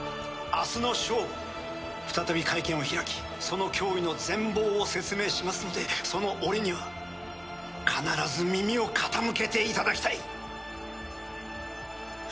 「明日の正午再び会見を開きその脅威の全貌を説明しますのでその折には必ず耳を傾けていただきたい！」